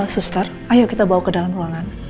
suster ayo kita bawa ke dalam ruangan mrn ya